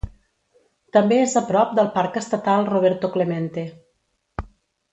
També és a prop del parc estatal Roberto Clemente.